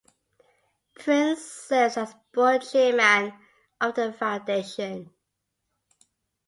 Prince serves as board chairman of the foundation.